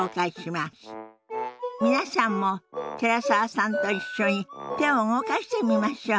皆さんも寺澤さんと一緒に手を動かしてみましょう。